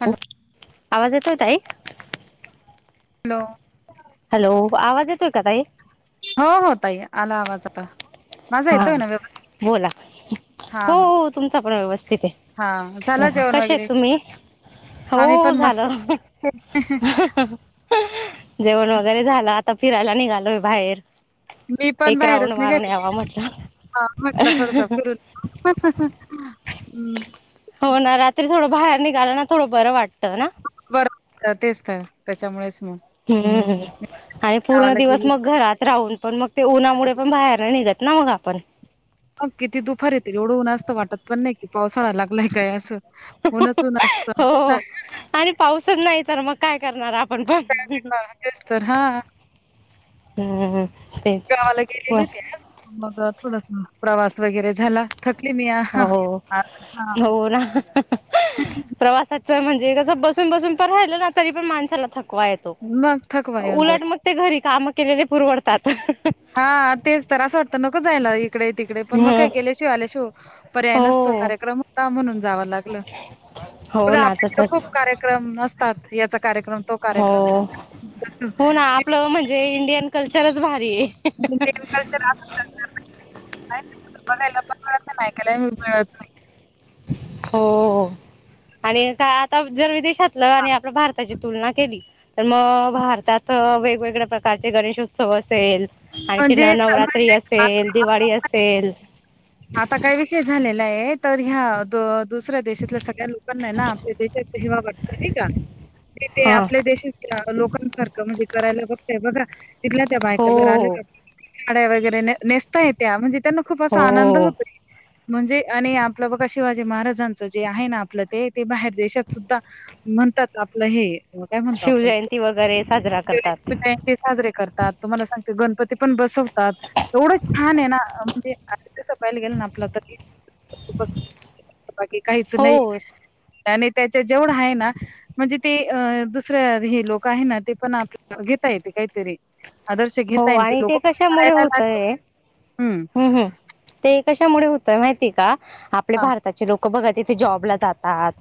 Hello hello, hello, आवाज येतोय का ताई? हो हो, ताई आला आवाज आता. माझा हा. येतोय ना व्यवस्थित बोला. [unintelligible] हा हा हो... हा झाला जेवण वगैरे आम्ही पण मस्त झालं. जेवण, वगैरे झालं. आता फिरायला निघालोय बाहेर. एक राऊंड मारून यावा [unintelligible] म्हटलं हा, म्हटलं थोडस फिरून... हम्. हो, ना रात्री थोडं बाहेर निघाला ना. थोडं बरं वाटतं ना? तर तेच, तर त्याच्यामुळेच. मग हम्म, आणि पूरा गावाला दिवस गेली मग घरात, राहून पण मग - [unintelligible] मग किती दुपार येते [unintelligible] ऊनच ऊन असतं [unintelligible] [unintelligible] हं हं ह, तेच गावाला गेलेली बरं. होती आज मग, थोडस प्रवास वगैरे झाला. थकली मी आज हा हो, हो, हा हो ना, प्रवासाात! मग थकवा येऊन जात [unintelligible] [unintelligible] [unintelligible] हा तेच तर असं वाटतं, नको जायला एक इकडे- तिकडे पण, मग हम्म काय गेल्याशिवाय- आल्याशिवाय पर्याय नसतो. हो कार्यक्रम होता, म्हणून जाव लागलं. हो बघा ना आपल्याकडं तसच खूप कार्यक्रम नसतात, याचा कार्यक्रम तो हो, कार्यक्रम हो ना, आपलं म्हणजे इंडियन कल्चरच भारीय. [unintelligible] बघायला पण मिळत नाही आण ऐकायला बी मिळत नाही. हो, आणि का आता जर विदेशातलं आणि आपल्या भारताची तुलना केली तर मग भारतात वेगवेगळ्या प्रकारचे गणेशोत्सव असेल. आणखी म्हणजे सण नवरात्री म्हणजे असेल, दिवाळी असेल. आता काय विषय झालेला आहे तर ह्या दुसऱ्या देशातल्या सगळ्या लोकांना ना आपल्या देशाचा हेवा वाटतं नाही का. की ते हा आपल्या देशात लोक सारखं म्हणजे करायला बघतय बघा तिथल्या त्या बायका जर आल्या हो साड्या वगैरे नेसता येत्या म्हणजे त्यांना खूप असा आनंद हो होतोय. म्हणजे आणि आपलं बघा शिवाजी महाराजांचं जे आहे ना आपलं ते ते बाहेर देशात सुद्धा म्हणतात. आपलं हे काय म्हणतो आपण शिवजयंती वगैरे साजरा करतात जयंती साजरे करतात तुम्हाला सांगते गण- -पती ते पण बसवतात एवढं छान आहे ना म्हणजे तस पहायला गेल ना आपलं तरप बाकी काहीच हो नाही. आणि त्याच्या जेवढ आहे ना म्हणजे ते दुसऱ्या हे लोक आहे ना ते पण आपल्या घे य कायतरी आदर्श हो घेताय आणि ते कशामुळे होतय. हं. कशामुळे होत माहितीय का आपले हां. भारताचे लोक बघा तिथे जॉबला जातात.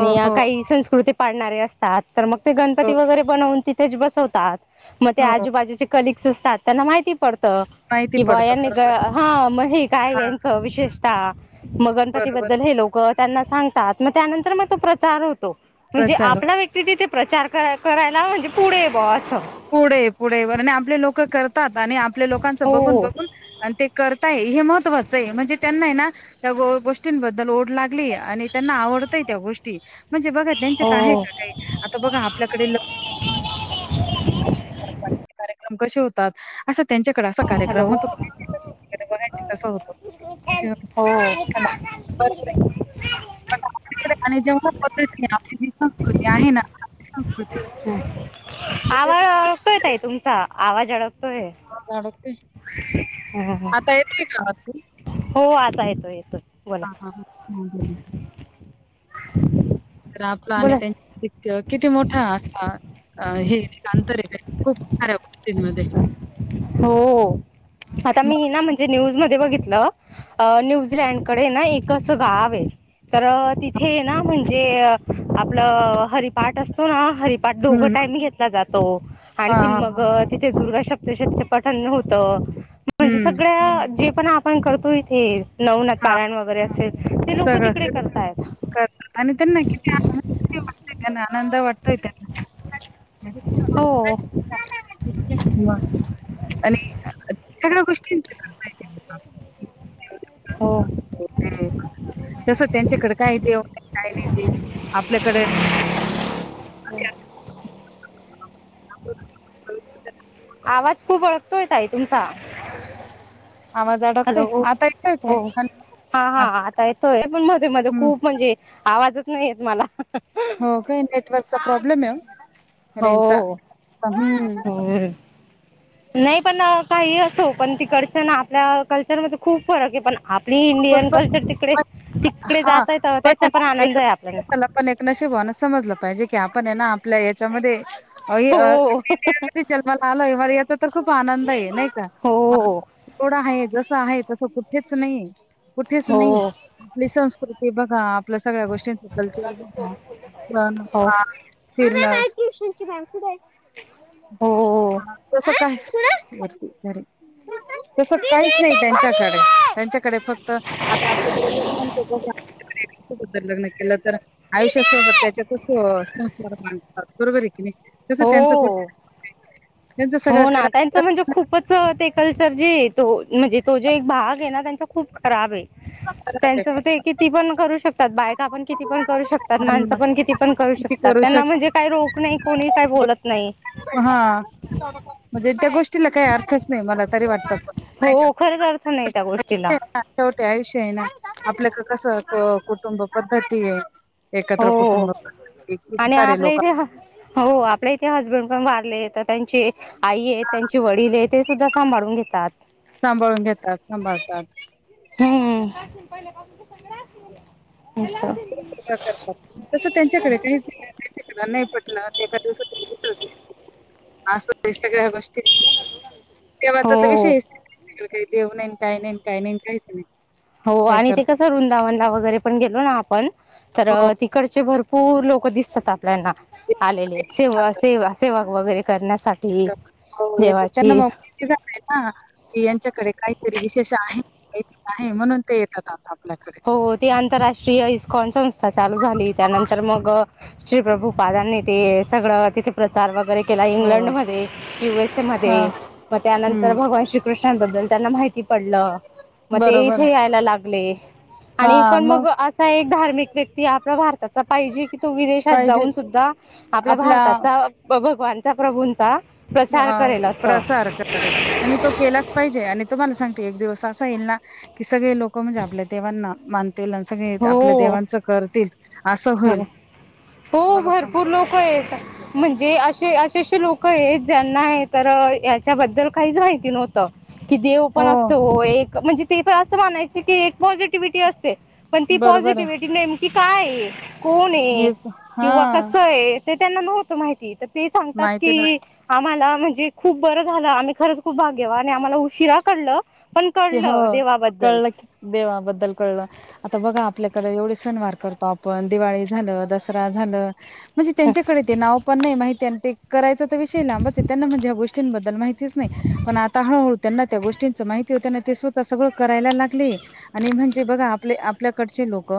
हो, हो, काही हो, संस्कृती पाडणारे असतात. तर मग ते हो, गणपती वगैरे बनवून त ते बसवतात मग ते हो. आजूबाजूचे कलीग्स असतात त्यांना माहिती पडत माहिती की बुवा पडतं यानी ग बरोबर आहे. हा मही काय हां, यांच विशेषतः मग बरोबर आहे. गणपतीबद्दल हे लोक त्यांना सांगतात मग त्यानंतर मग तो प्रचार होतो. तो म्हणजे प्रचार आपला व्यक्ती तिथे प्रचार करायला म्हणजे पुढे ब असं. पुढे पुढे आणि आपले लोक करतात आणि आपल्या लोकांच बघून हो बघून आणि ते कर हे महत्वाचं आहे म्हणजे त्यांना ना त्या गोष्टींबद्दल ओढ लागली आणि त्यांना आवडत. त्या गोष्टी म्हणजे बघा त्यांच्यात आहे हो का काही आता बघा आपल्याकडे [inaudible] कशी होतात. असं त्यांच्याकडे असा कार्यक्रम हॅलो होतो त्यांच्याकडे बघाय कस होत होत हो [unintelligible] आपल्याकडे आणि जेव्हा पतच नाही आपली ही संस्कृती आहे ना. संस्कृती आवाज अळकतोय ताई तुमचा आवाज अड होय हा. आता येतोय का आवाज हो आता येतो येतोय. बोला ह हा ह तर. आणि बोला त्यांनी किती मोठा असा हे अंतर खूप तीन मध्ये. हो आता मी ना म्हणजे न्यूज म बघितलं न्यूझीलड कडे ना एक असं गाव आहे. तर तिथे ना म्हणजे आपलं हरिपाठ असतो ना हरी - पाठ हं, दोघं हं. टाइम घेतला जातो हां, आणखी हां, मग हां. तिथे दुर्गाशक्त चं पठण होत म्हणजे हं. सगळ्या जे पण आपण करतो इथे नवनाथ हां, पारायण वगैरे असेल ते लोक सगळं तिकडे सगळं. करताय. आणि त्यां ना कितीन वाटतय त्यांना आनंद वाटतय त्यांना. हो [unintelligible] आणि सगळ्या गोष्टी करतातं. हो तसं त्यांच्याकडे काय देव काय नाही ते आपल्याकडे [unintelligible] [unintelligible] आवाज खूप अडखतोय ताई तुमचा. आवाज अडकतय हॅलो आता येतेय हो काय? हा हा आत आता येतोय, पण मध्ये मध्ये हम्म. खूप म्हणजे, आवाजच नाही येत मला. [unintelligible] हो काय नेटवर्कचा प्रॉब्लेमय? हो, होय. नाही पण, काही असो पण तीकडच ना आपल्या कल्चरमध्ये खूप फरकय पण आपली इंडियन खूपच कल्चर तिकडे -तिकडे हा जातयेत त्याचा पण आनंद आहे आपल्याला. [unintelligible] समजल पाहिजे की, आपण ना आपल्या याच्यामध्ये इ अ हो [unintelligible] जन्मला आलोय याचा तर खूप आनंदय, नाही का? हो हो [unintelligible] हाय जसं आहे तसं कुठेच नाहीे. कुठेच नाही. हो आपली संस्कृती बघा आपल्या सगळ्या गोष्टींचा कल्चर [unintelligible] [unintelligible] फिरण हो [unintelligible] तस काय [inaudible] [inaudible] तस काहीच नाही त्यांच्याकडे त्यांच्याकडे फक् क्त आता आपल्याकडे [unintelligible] लग्न केलं तर, आयुष्यासोबत त्याच्यातच संस्कार मानतात, बरोबरय की नाही. तसं त्यांचं कुठ हो त्यांचं सगळं हो ना, त्यांचं करा म्हणजे खूपच ते कल्चर जे तो म्हणजे तो जो एक भागय ना, त्यांचा खूप खराबय. [unintelligible] त्यांचं ते किती पण करू शकतात, बायका पण किती पण करू शकतात, आणि माणसं मग पण किती पण करू किती शकतात. ना शक म्हणजे काही रोख नाही, कोणी काही बोलत नाही. हा म्हणजे त्या गोष्टीला काही अर्थच नाही, मला तरी वाटत. का हो खरं झा [unintelligible] ना शेवटी आयुष्य आहे ना, आपल्याकड कसं कुटुंब पद्धतीय. हो, आणि सारे आपल्या लोक इथे हा हो आपल्या इथे हजबंड पण वारले तर, त्यांची आईय त्यांचे वडीलयत ते सुद्धा सांभाळून घेतात. सांभाळून घेतात, सांभाळतात. हम्म [unintelligible] [unintelligible] सगळं करतात. तसं त्यांच्याकडेही [unintelligible] त्यांच्याकडे नाही पटलं एका दिवसात [unintelligible] असं सगळ्या गोष्टी, देवाचा तर हो विषयच [unintelligible] काय. देव नाही न, काय नाही न, काय नाही न कायच नाही. हो काय आणि ते करतो कसं वृंदावनला वगैरे पण गेलो ना आपण, तर हो अ तिकडचे भरपूर लोक दिसतात आपल्याना, आलेले. सेवा, सेवा, सेवा वगैरे करण्यासा [unintelligible] हो येत्यात त्यांना मग माहिती झालय ना की, यांच्याकडे काहीतरी विशेष आहे. [unintelligible] नाही म्हणून ते येतात आता. आपल्याकडे हो ते आंतरराष्ट्रीय इस्कॉन संस्था चालू झाली. त्यानंतर मग श्री प्रभू पादांनी ते सगळं तिथे प्रचार वगैरे केला, इंग्लंड हो मध्ये, यु एस ए हा मध्ये, मग त्यानंतर हम्म भगवान श्रीकृष्णांबद्दल त्यांना माहिती पडलं, मग ते बरोबर इथे आहे यायला लागले. आणि पण मग असा एक धार्मिक व्यक्ती आपला भारताचा पाहिजे की, तो विदेशात पाहिजे जाऊन सुद्धा आपल्या आपला भारताचा, भगवानचा, प्रभूंचा प्रचार करेल असं प्रसार करेल आणि तो केलाच पाहिजे आणि तुम्हाला सांगते, एक दिवस असा येईल ना, सगळे लोक म्हणजे आपल्या देवांना मान ते सगळे आपल्या हो देवांचं करतील असं होईल हो हो तुम्हाला भरपूर सांगते लोक आहेत म्हणजे असे असे असे लोक आहेत ज्यांना याच्याबद्दल काहीच माहिती नव्हत की देव पण हो असत म्हणजे ते असं म्हणायच की एक पॉझिटिव्हटी असते पण ती बरोबर आहे पॉझिटिव्हटी नेमकी काय कोण आहे हेच हा किंवा कस आहे ते त्यांना नव्हतं माहिती तर ते सांगतात माहिती न की आम्हाला जे खूप बरं झालं आम्ही खरच खूप भाग्यवान आहे आणि आम्हाला उशिरा कळल की हो कळला क देवा बद्दल कळल आता बघा आपल्याकडे एवढे सणवार करतो आपण दिवाळी झालं दसरा झालं म्हणजे त्यांच्याकडे ते नाव पण नाही माहिित ते करायचा तर विषय लांबच आहे त्यांना म्हणजे ह गोष्टींबद्दल माहितीच नाही पण आता हळूहळू त्यांना त्या गोष्टींच माहिती होतना ते स्वतः सगळ करायला लागले आणि म्हणजे बघा आप आपल्याकडचे लोक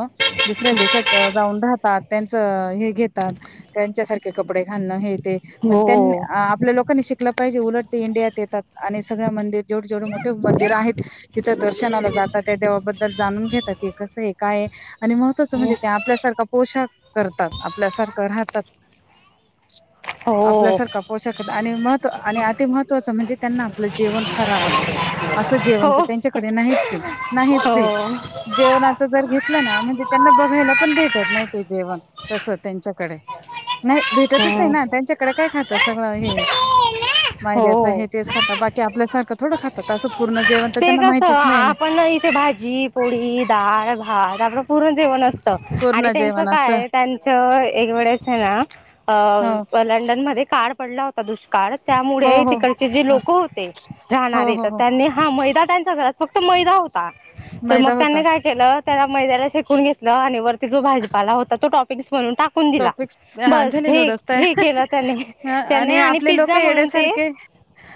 दुसऱ्या देशात जाऊन राहतात त्यांचं हे घेतात त्यांच्यासारखे कपडे खाणं हे पण त्यां हो आपल्या लोकांनी श लं पाहिजे उलट ते इंिया येतात आणि सगळ्या मंदिर जोड जोड मंदिर आहेत तिथं दर्शनाला जातात त्या देवाबद्दल जाणून घेतात हे कसं आहे काय आणि महत्त्वाचं म्हणजे ते आपल्यासारखा पोशाख करतात आपल्यासारखं राहतात [inaudible] हो आपल्यासारखं पोषकत आणि महत्व आणि अति महत्त्वाचं म्हणजे त्यांना आपलं जेवण फार आवडतं असं जेवण तर हो त्यांच्याकडे नाहीच आहे नाहीच हो जेवणाच जर घेतलं ना म्हणजे त्यांना बघायला पण भेटत नाही ते जेवण तसं त्यांच्याकडे नाही भेटतच नाही ना त्यांच्याकडे काय खातं सगळं हे मैद्याच हे तेच खातात बाकी आपल्यासारखं थोडं खाता ते कस आपण इथे भाजी पोळी डाळ भात आप पूर्ण जेवण असत आणि पूर्ण त्यांचं जेवण असतं काय त्यांच एक वळेस आहे ना हो अ लंडन मध्ये का पडला होता दुष्काळ हो, त्यामुळे हो. तिकडचे जे हां. लोक होते हो, राहणारे हो, तर हो. त्यांनी हा मैदा त्यांच्या घर फक्त मैदा होता तर मग मैदा त्यांनी होता. काय केलं त्याला मैद्याला शेकून घेतलं आणि वर जो भाजपाला होता तो टॉपिक्स म्हणून टाकून दिला टॉपिक्स हां, बस झाले हे नूडल्स हे तयार केलं त्याने हां त्याने आणि आपले पिझ्झा लोकं म्हणून ते येड्यासारखे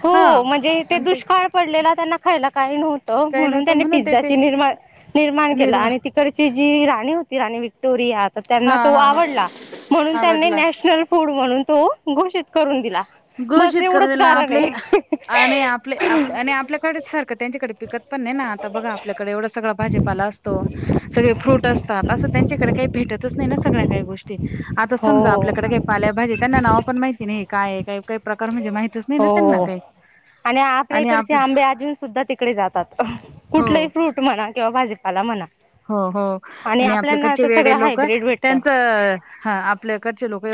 हो हां. म्हणजे ते आणि दुष्काळ पडलेला त्यांना खायला काही नव्हतं काही म्हणून नव्हतं त्यांनी ते ते पिझ्झाची निर्माण निर्माण केला निर्मा आणि तिकडची जी राणी होती आणि विक्टोरिया तर त्यांना हां, तो हां, हां. आवडला म्हणून त्यांने आवडला. नाश ड म्हणून तो घोषित करून दिला बस घोषित करून एवढंच दि कारण आपले आहे आणि आपले आप आणि आपल्याकडे सारखं त्यांच्याकडे पिकत पण नाही आता बघा आपल्याकडे एवढा सगळा भाजीपाला असतो सगळे फ्रूट असतात असं त्यांच्याकडे काही भेट नाही सगळ्या काही गोष्टी आता हो समजा आपल्याकडे काही पाल्या भाजी त्यांना नाव पण माहिती नाही काय का काही प्रकार म्हणजे माहितच नाही ना त्यांना हो काही आणि आपल्या इकडचे आंबे अजून सुद्धा तिकडे जातात हो, कुठलेही फ्रूट म्हणा किंवा भाजी आला म्हणा हो हो आणि आपल्याना आपल्याकडचे तर वेडे सगळं लोक हायब्रीड भेटतं त्यांच आपल्याकडचे लोक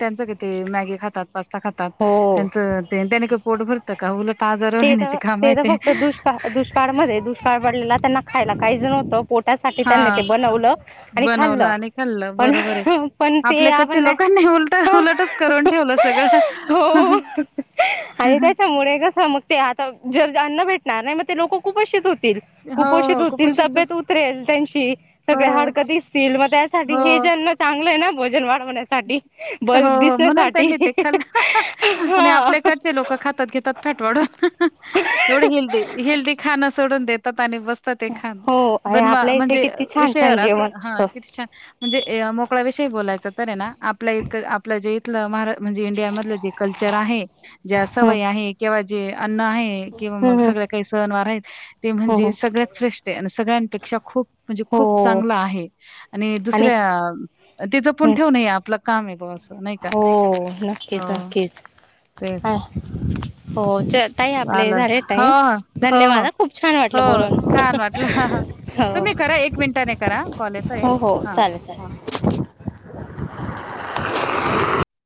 त्यां मॅगी खातात पास्ता खातात हो त्यांच पोट भरत का उल ते तर ते तर फक्त दुष्काळ दुष्काळमध्ये दुष्काळ पडलेला त्यांना खायला काही जणवतं पोट त्यासाठी त्यांनी हां, ते बनवलं आणि बनवलं खाल्लं आणि खाल्लं पण बरोबर आहे. पण ते आपल्याकडच्या आपण लोकांनी उलट उलटच करून ठेवलं सगळं हो ज अन्न भेटणार नाही मग ते लोक कुपेशीित होते हो, कुपोषित हो. होतील कुपोषितच तब्येत उतरेल त्यांची हो, सगळे हडकत दिसतील मग त्यासाठी हो. भजन चांग आहे ना भोजन वाढव हो हो म्हणून त्यांनी ते खाल्लं आणि हा आपल्याकडचे लोक खातात घेतात फटवडून एवढं हेल्दी हेल्दी खाणं सोडून देतात [inaudible] हो अरे आपल्या इथे किती छान छान जेवण असतं बोलायच त ना आपल्या इक आपलं जे इथ मा म्हणजे इंडिया मधलं जे कल्चर आहे जे सवय आहे किंवा जे अन्न आहे किंवा मग हम्म हम्म सगळ काही सहनवार आहेत ते म्हणजे हो सगळ्यात श्रेष्ठ आहे आणि सगळ्यांपेक्षा खूप म्हणजे खूप हो चांगला आहे आणि दुसऱ्या तिचं पण हम्म ठेव नये आपलं काम आहे बुवा असं नाही का? हो हो नक्कीच नक्कीच तेच हो चल. ताई आपले चालेल. झाले हो, टाईम हो. हो, धन्यवाद हो. ह खूप छान वाटलं हो छान वाटलं. बोलून हो. तुम्ही करा एक मिनिटाने करा कॉल येतोय हो हो हा चालेल चालेल हां. [inaudible]